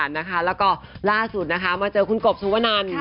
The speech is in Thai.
แล้วก็ล่าสุดนะคะมาเจอคุณกบสุวนัน